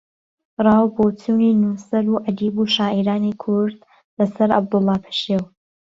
ڕاو بۆچوونی نووسەر و ئەدیب و شاعیرانی کورد لە سەر عەبدوڵڵا پەشێو